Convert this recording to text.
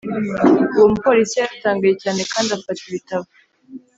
Uwo mupolisi yaratangaye cyane kandi afata ibitabo